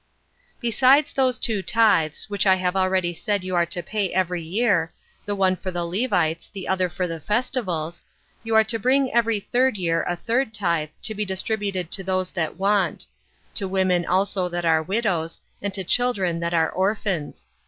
22. Besides those two tithes, which I have already said you are to pay every year, the one for the Levites, the other for the festivals, you are to bring every third year a third tithe to be distributed to those that want; 23 to women also that are widows, and to children that are orphans.